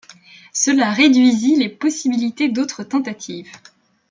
Cela réduisit les possibilités d'autres tentatives.